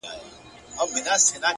اراده د ستونزو قد ټیټوي